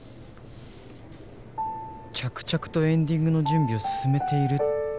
着々とエンディングの準備を進めているって事？